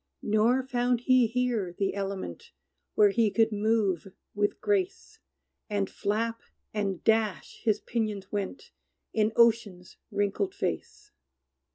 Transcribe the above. Nor found he here the element Where he could move with grace; And flap, and dash, his pinions went, In ocean's wrinkled face.